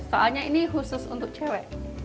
soalnya ini khusus untuk cewek